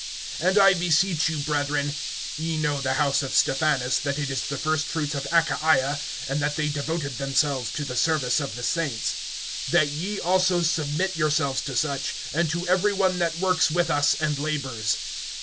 (15)And I beseech you, brethren, (ye know the house of Stephanas, that it is the first fruits of Achaia, and that they devoted themselves to the service of the saints,) (16)that ye also submit yourselves to such, and to every one that works with us, and labors.